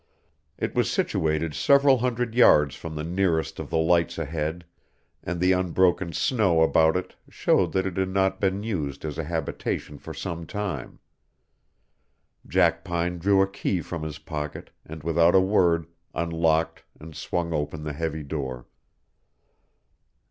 It was situated several hundred yards from the nearest of the lights ahead, and the unbroken snow about it showed that it had not been used as a habitation for some time. Jackpine drew a key from his pocket and without a word unlocked and swung open the heavy door.